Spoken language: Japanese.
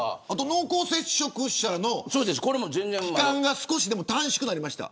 濃厚接触者の期間が少しでも短縮なりました。